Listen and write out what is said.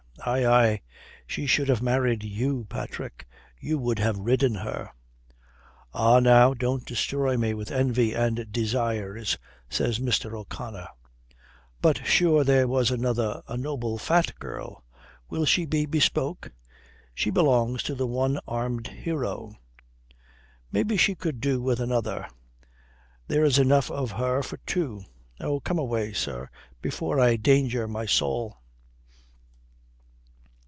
"Aye, aye. She should have married you, Patrick. You would have ridden her." "Ah now, don't destroy me with envy and desires," says Mr. O'Connor. "But, sure, there was another, a noble fat girl. Will she be bespoke?" "She belongs to the one armed hero." "Maybe she could do with another. There's enough of her for two. Oh, come away, sir, before I danger my soul."